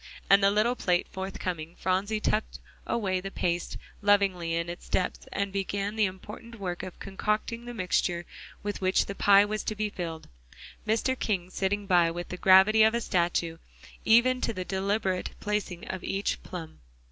And the little plate forthcoming, Phronsie tucked away the paste lovingly in its depths, and began the important work of concocting the mixture with which the pie was to be filled, Mr. King sitting by with the gravity of a statue, even to the deliberate placing of each plum.